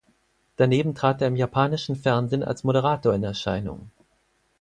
Daneben trat er im japanischen Fernsehen als Moderator in Erscheinung.